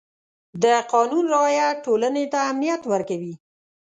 د قانون رعایت ټولنې ته امنیت ورکوي.